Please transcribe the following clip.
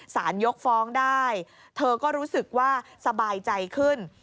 ยกฟ้องได้เธอก็รู้สึกว่าสบายใจขึ้น